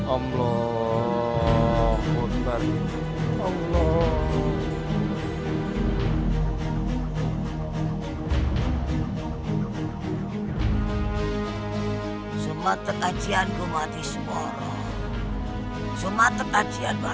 amez haditkan donang disenjawa